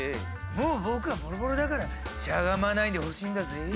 もう僕はボロボロだからしゃがまないでほしいんだぜぇ。